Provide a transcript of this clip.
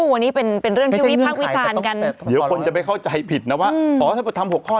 วันนี้เป็นเรื่องพี่วีพีคภาควิทยาลักษณ์กัน